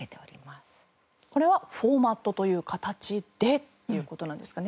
これはフォーマットという形でっていう事なんですかね？